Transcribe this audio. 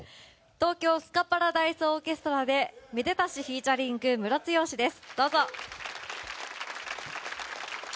東京スカパラダイスオーケストラで「めでたしソングｆｅａｔ．ムロツヨシ」です。